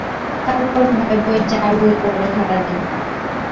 তারপর ভয়ে ভয়ে যা বই পড় সারাদিন।